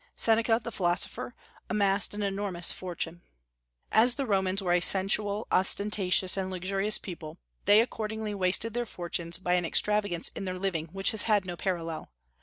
Seneca, the philosopher, amassed an enormous fortune. As the Romans were a sensual, ostentatious, and luxurious people, they accordingly wasted their fortunes by an extravagance in their living which has had no parallel.